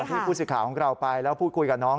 ตอนที่ผู้สิทธิ์ข่าวของเราไปแล้วพูดคุยกับน้อง